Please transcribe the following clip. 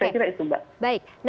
saya kira itu mbak